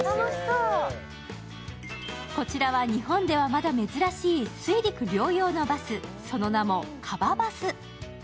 こちらは日本ではまだ珍しい水陸両用のバス、その名もＫＡＢＡバス。